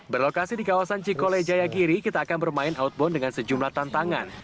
berlokasi di kawasan cikole jayagiri kita akan bermain outbound dengan sejumlah tantangan